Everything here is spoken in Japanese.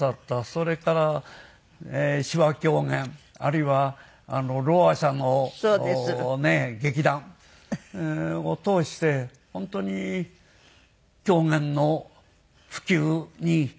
それから手話狂言あるいはろうあ者の劇団を通して本当に狂言の普及に尽力してくださった。